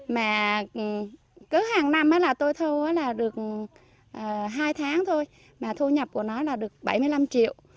mà cứ hàng năm là tôi thu là được hai tháng thôi mà thu nhập của nó là được bảy mươi năm triệu